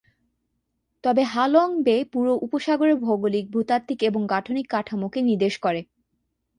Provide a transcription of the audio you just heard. তবে Ha Long Bay পুরো উপসাগরের ভৌগোলিক, ভূতাত্ত্বিক এবং গাঠনিক কাঠামোকে নির্দেশ করে।